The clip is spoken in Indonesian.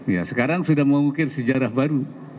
ya sekarang sudah mengukir sejarah baru